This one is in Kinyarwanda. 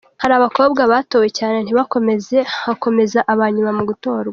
Hari abakobwa batowe cyane ntibakomeza, hakomeza abanyuma mu gutorwa.